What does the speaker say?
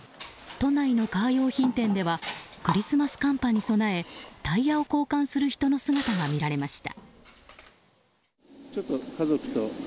都内のカー用品店ではクリスマス寒波に備えタイヤを交換する人の姿が見られました。